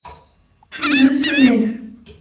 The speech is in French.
Tous deux se lèvent.